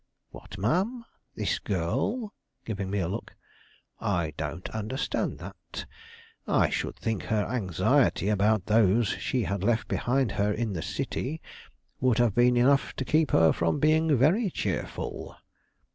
"What, ma'am, this girl?" giving me a look. "I don't understand that. I should think her anxiety about those she had left behind her in the city would have been enough to keep her from being very cheerful."